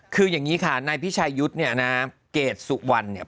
คืออย่างนี้ค่ะนายพิชายุทธ์เนี่ยนะเกรดสุวรรณเนี่ย